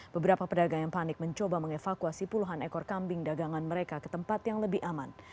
beberapa pedagang yang panik mencoba mengevakuasi puluhan ekor kambing dagangan mereka ke tempat yang lebih aman